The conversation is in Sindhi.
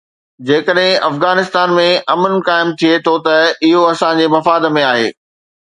جيڪڏهن افغانستان ۾ امن قائم ٿئي ٿو ته اهو اسان جي مفاد ۾ آهي.